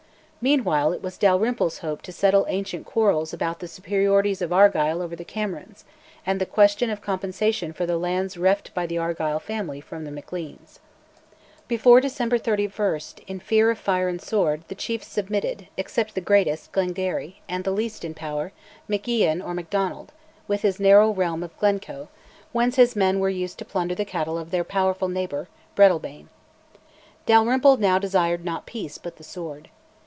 Meanwhile it was Dalrymple's hope to settle ancient quarrels about the "superiorities" of Argyll over the Camerons, and the question of compensation for the lands reft by the Argyll family from the Macleans. Before December 31, in fear of "fire and sword," the chiefs submitted, except the greatest, Glengarry, and the least in power, MacIan or Macdonald, with his narrow realm of Glencoe, whence his men were used to plunder the cattle of their powerful neighbour, Breadalbane. Dalrymple now desired not peace, but the sword.